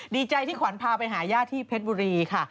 ดีใจที่ขวัญพาไปหาย่าที่เพชรบุรีค่ะ